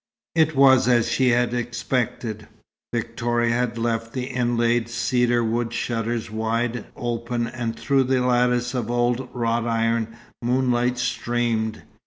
It was as she had expected. Victoria had left the inlaid cedar wood shutters wide open, and through the lattice of old wrought iron, moonlight streamed.